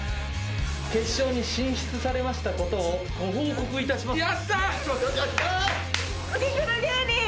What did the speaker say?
決勝に進出されたことご報告いたします。